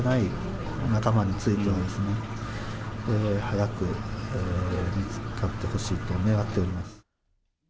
まだ見つかっていない仲間については、早く見つかってほしいと願っております。